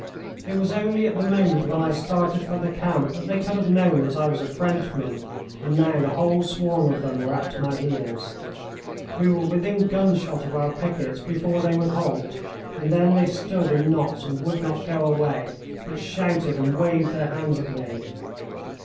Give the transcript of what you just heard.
It was only at the moment when I started for the camp that they could have known that I was a Frenchman, and now the whole swarm of them were at my heels. We were within gunshot of our pickets before they would halt, and then they stood in knots and would not go away, but shouted and waved their hands at me.